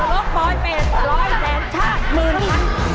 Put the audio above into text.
ตกละลดปลอยเป็นร้อยแจนห้าหมื่นครับ